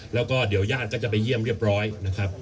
แล้วก็เดี๋ยวญาติก็จะไปเยี่ยมเรียบร้อยนะครับ